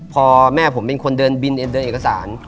พอแม่ผมเป็นคนเดินเอกสาร